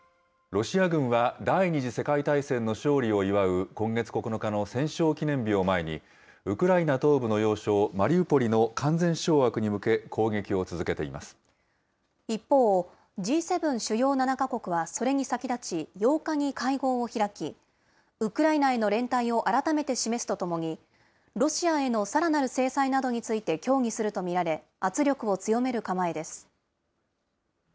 ロシア軍は第２次世界大戦の勝利を祝う今月９日の戦勝記念日を前に、ウクライナ東部の要衝マリウポリの完全掌握に向け、攻撃を続けて一方、Ｇ７・主要７か国はそれに先立ち８日に会合を開き、ウクライナへの連帯を改めて示すとともに、ロシアへのさらなる制裁などについて協議すると見られ、圧力を強める構えです。